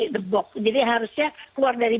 the box jadi harusnya keluar dari